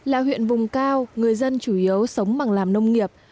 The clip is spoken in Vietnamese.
là huyện vùng cao người dân chủ yếu sống bằng làm nông nghiệp